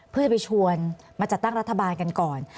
เพื่อจะไปชวนมาจัดตั้งรัฐบาลกันก่อน